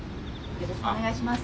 よろしくお願いします。